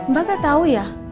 mbak gak tau ya